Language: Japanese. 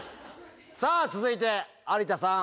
さぁ続いて有田さん